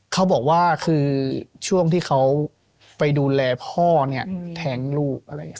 เขาบอกว่าคือช่วงที่เขาไปดูแลพ่อเนี่ยแท้งลูกอะไรอย่างนี้